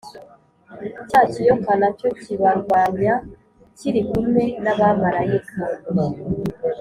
Cya kiyoka na cyo kibarwanya kiri kumwe n abamarayika